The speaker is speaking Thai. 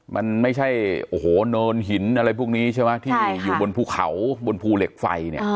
มันไม่ใช่โอ้โหเนินหินอะไรพวกนี้ใช่ไหมที่อยู่บนภูเขาบนภูเหล็กไฟเนี่ย